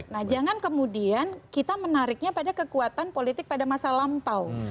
nah jangan kemudian kita menariknya pada kekuatan politik pada masa lampau